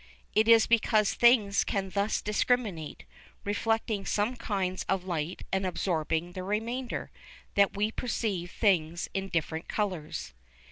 It is because things can thus discriminate, reflecting some kinds of light and absorbing the remainder, that we perceive things in different colours.